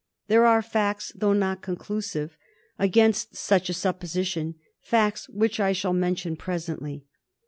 There are facts, though not conclusive, against such a supposition, facts which I shall mention presently.